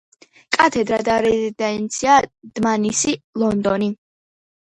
კათედრა და რეზიდენცია: დმანისი, ლონდონი.